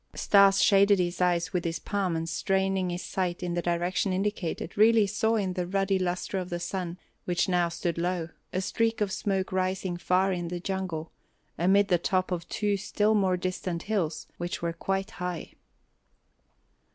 Stas shaded his eyes with his palm and straining his sight in the direction indicated really saw in the ruddy luster of the sun, which now stood low, a streak of smoke rising far in the jungle, amid the top of two still more distant hills which were quite high.